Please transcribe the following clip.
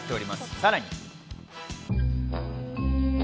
さらに。